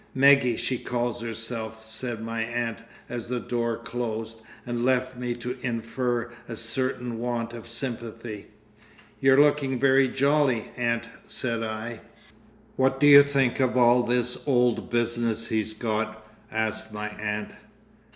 "Meggie she calls herself," said my aunt as the door closed, and left me to infer a certain want of sympathy. "You're looking very jolly, aunt," said I. "What do you think of all this old Business he's got?" asked my aunt.